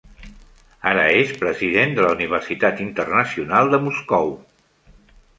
Ara és president de la Universitat Internacional de Moscou.